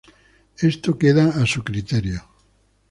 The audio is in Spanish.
Esto queda a su criterio.